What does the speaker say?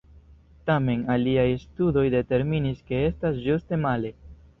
Tamen, aliaj studoj determinis ke estas ĝuste male.